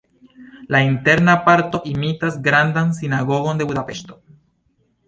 La interna parto imitas Grandan Sinagogon de Budapeŝto.